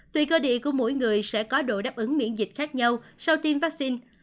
tuy cơ địa của mỗi người sẽ có độ đáp ứng miễn dịch khác nhau sau tiêm vaccine